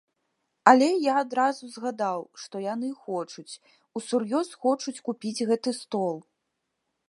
Але я адразу згадаў, што яны хочуць, усур'ёз хочуць купіць гэты стол.